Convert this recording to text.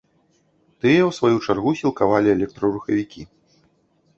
Тыя ў сваю чаргу сілкавалі электрарухавікі.